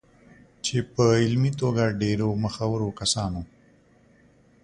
چې په علمي توګه ډېرو مخورو کسانو